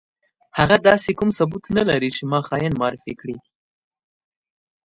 هغه داسې کوم ثبوت نه لري چې ما خاين معرفي کړي.